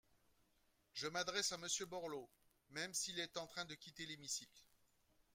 Je m’adresse à Monsieur Borloo, même s’il est en train de quitter l’hémicycle.